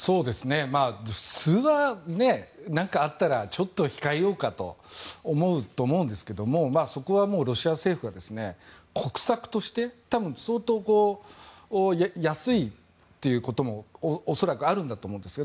普通は何かあったらちょっと控えようかと思うと思うんですがそこはもう、ロシア政府は国策として多分、相当安いということも恐らくあるんだと思うんですね。